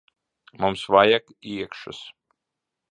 Mums vajag iekšas.